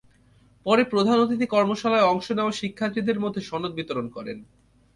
পরে প্রধান অতিথি কর্মশালায় অংশ নেওয়া শিক্ষার্থীদের মধ্যে সনদ বিতরণ করেন।